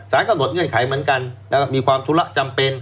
ศาดก็ลดเงื่อนไขเหมือนกันและมีความตุลักษณ์จำเป็น